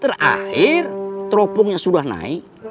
terakhir tropongnya sudah naik